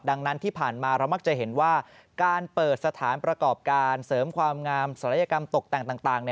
ดังนั้นที่ผ่านมาเรามักจะเห็นว่าการเปิดสถานประกอบการเสริมความงามศัลยกรรมตกแต่งต่าง